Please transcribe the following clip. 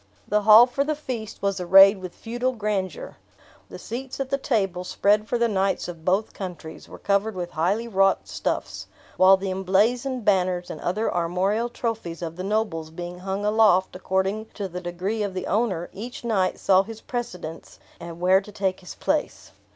The hall for the feast was arrayed with feudal grandeur. The seats at the table, spread for the knights of both countries, were covered with highly wrought stuffs; while the emblazoned banners and other armorial trophies of the nobles being hung aloft according to the degree of the owner, each knight saw his precedence, and where to take his place.